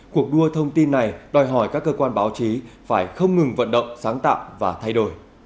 cuộc đua thông tin này đòi hỏi các cơ quan báo chí phải không ngừng vận động sáng tạo và thay đổi